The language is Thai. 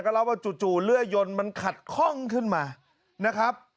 ก็เล่าว่าจู่เลื่อยยนมันขัดข้องขึ้นมานะครับ